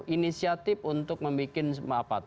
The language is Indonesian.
inisiatif untuk membuat